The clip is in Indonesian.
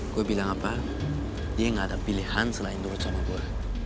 gue bilang apa dia nggak ada pilihan selain dulu sama gue